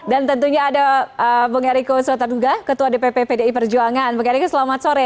dan tentunya ada bung eriko sotarduga ketua dpp pdi perjuangan bung eriko selamat sore